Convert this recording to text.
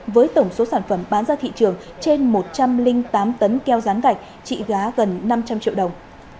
với tổng số sản phẩm bán ra thị trường trên một trăm linh tám tấn keo rán gạch trị gá gần năm trăm linh triệu đồng